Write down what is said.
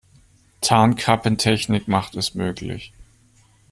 Tarnkappentechnik macht es möglich.